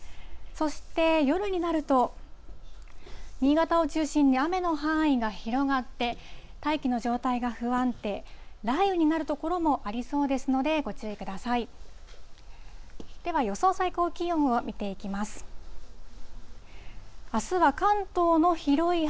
そして、夜になると、新潟を中心に雨の範囲が広がって、大気の状態が不安定、雷雨になる所もありそうですので、ご注意ください。